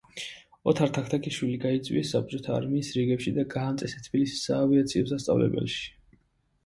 ოთარ თაქთაქიშვილი გაიწვიეს საბჭოთა არმიის რიგებში და გაამწესეს თბილისის საავიაციო სასწავლებელში.